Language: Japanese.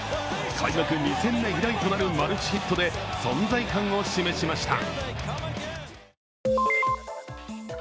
開幕２戦目以来となるマルチヒットで、存在感を示しました。